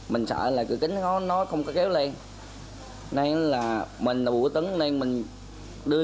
mình sợ là cửa kính nó nó không có kéo lên nên là mình là bùi quốc tuấn nên mình đưa